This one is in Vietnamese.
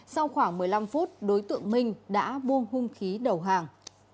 sau khoảng một mươi năm phút đối tượng minh đã buông hung khí đầu hàng